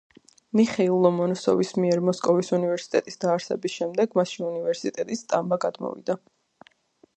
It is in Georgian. მიხეილ ლომონოსოვის მიერ მოსკოვის უნივერსიტეტის დაარსების შემდეგ მასში უნივერსიტეტის სტამბა გადმოვიდა.